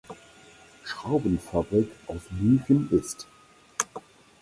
Schraubenfabrik aus Büchen ist.